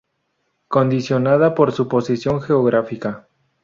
Condicionada por su posición geográfica.